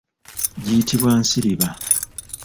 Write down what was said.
Giyitibwa nsiriba.